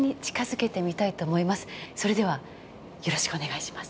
それではよろしくお願いします。